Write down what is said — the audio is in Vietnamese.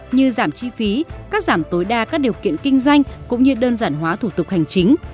như giảm chi phí cắt giảm tối đa các điều kiện kinh doanh cũng như đơn giản hóa thủ tục hành chính